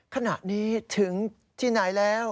ขณะนี้ถึงที่ไหนแล้ว